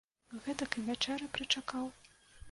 Гэтак і вячэры прычакаў.